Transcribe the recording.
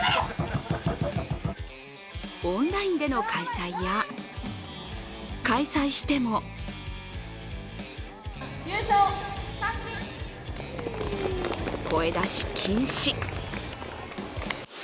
オンラインでの開催や、開催しても声出し禁止。